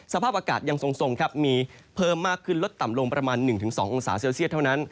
สภาพอากาศยังทรงครับมีเพิ่มมากขึ้นลดต่ำลงประมาณ๑๒องศาเซลเซียตเท่านั้น